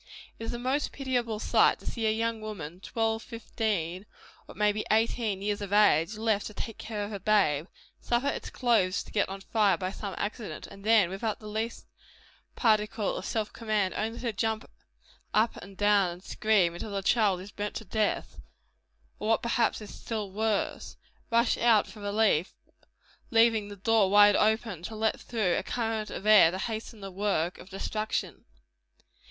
It is a most pitiable sight to see a young woman, twelve, fifteen, or it may be eighteen years of age, left to take care of a babe, suffer its clothes to get on fire by some accident, and then, without the least particle of self command, only jump up and down and scream, till the child is burnt to death; or what perhaps is still worse, rush out for relief, leaving the door wide open to let through a current of air to hasten the work of destruction.